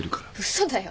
嘘だよ。